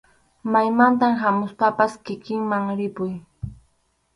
Maymanta hamuspapas kikinman ripuy.